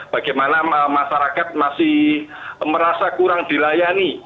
bagaimana masyarakat masih merasa kurang dilayani